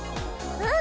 うん！